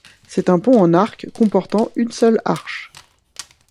C'est un pont en arc, comportant une seule arche.